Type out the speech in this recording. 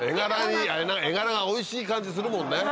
画柄がおいしい感じするもんね。